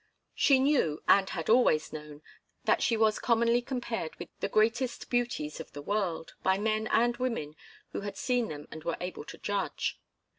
She knew, and had always known, that she was commonly compared with the greatest beauties of the world, by men and women who had seen them and were able to judge.